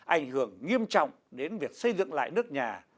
ảnh hưởng nghiêm trọng đến việc xây dựng lại nước nhà